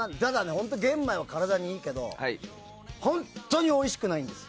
玄米は体にいいけど本当においしくないんです。